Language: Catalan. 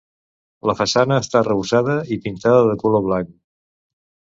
La façana està arrebossada i pintada de color blanc.